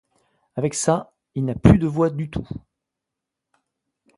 Avec ça, il n'a plus de voix du tout.